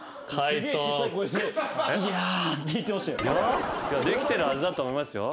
いやできてるはずだと思いますよ。